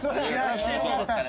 来てよかったです。